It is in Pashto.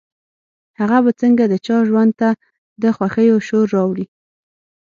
هغه به څنګه د چا ژوند ته د خوښيو شور راوړي.